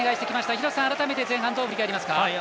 廣瀬さん、前半どう振り返りますか？